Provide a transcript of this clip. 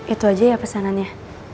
itu aja ya pesanannya